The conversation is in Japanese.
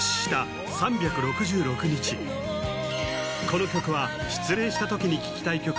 この曲は失恋した時に聴きたい曲